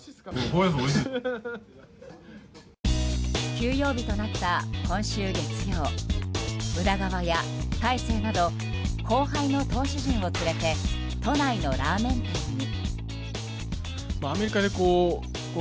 休養日となった今週月曜宇田川や大勢など後輩の投手陣を連れて都内のラーメン店に。